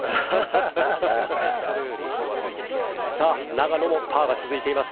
永野もパーが続いています。